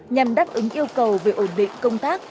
nhằm đáp ứng yêu cầu về ổn định công tác